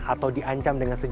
atau diancam dengan senyum